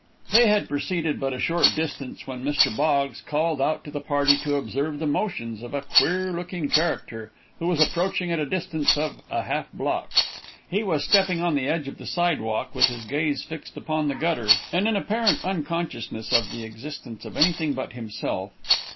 They had proceeded but a short distance when Mr. Boggs called out to the party to observe the motions of a queer looking character, who was approaching at a distance of a half block. He was stepping on the edge of the sidewalk with his gaze fixed upon the gutter, and in apparent unconsciousness of the existence of anything but himself.